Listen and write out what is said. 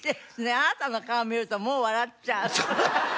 あなたの顔見るともう笑っちゃう。